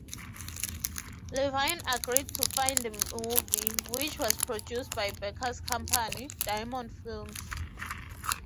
Levine agreed to fund the movie, which was produced by Baker's company, Diamond Films.